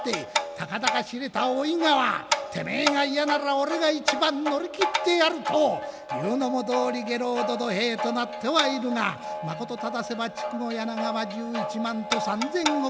たかだか知れた大井川てめえが嫌なら俺が一番乗り切ってやる」と言うのも道理下郎どど平となってはいるがまこと正せば筑後柳川１１万と３，０００石。